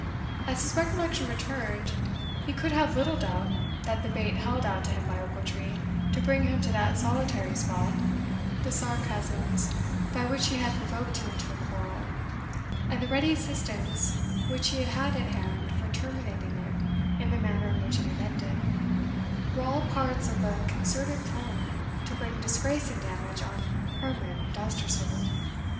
As his recollection returned, he could have little doubt that the bait held out to him by Ochiltree, to bring him to that solitary spot, the sarcasms by which he had provoked him into a quarrel, and the ready assistance which he had at hand for terminating it in the manner in which it had ended, were all parts of a concerted plan to bring disgrace and damage on Herman Dousterswivel.